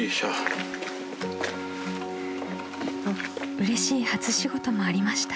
［うれしい初仕事もありました］